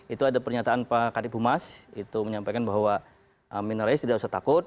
itu ada pernyataan pak kadipumas itu menyampaikan bahwa amin rais tidak usah takut